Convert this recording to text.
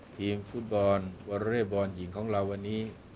ทีมฟุตบอลวอเรย์บอลหญิงของเราวันนี้